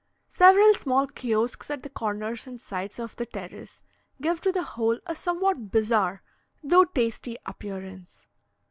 Several small kiosks at the corners and sides of the terrace give to the whole a somewhat bizarre though tasty appearance.